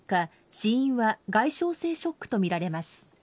死因は外傷性ショックとみられます。